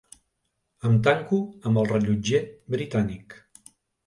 Em tanco amb el rellotger britànic.